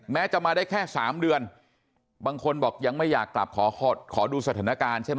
จะมาได้แค่๓เดือนบางคนบอกยังไม่อยากกลับขอดูสถานการณ์ใช่ไหม